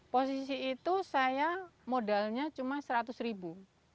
posisi itu saya modalnya cuma seratus ribu